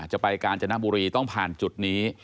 กาญจนบุรีต้องผ่านจุดนี้